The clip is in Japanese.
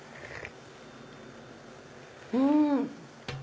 うん！